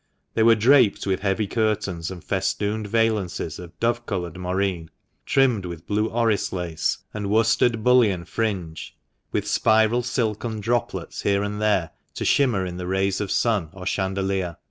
They were draped with heavy curtains, and festooned valances of dove coloured moreen, trimmed with blue orris lace, and worsted bullion fringe, with spiral silken droplets here and there to shimmer in the rays of sun or chandelier.